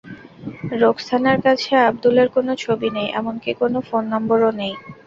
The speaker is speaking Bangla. রোখসানার কাছে আবদুলের কোনো ছবি নেই, এমনকি কোনো ফোন নম্বরও নেই।